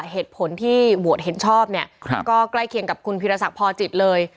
เหตุผลที่โหวตเห็นชอบเนี่ยก็ใกล้เคียงกับคุณพีรศักดิ์พอจิตเลย